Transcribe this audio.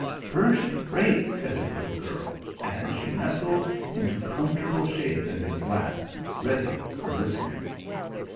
"First rate!" said the little girl; and she nestled into comfortable shape in his lap, ready for listening.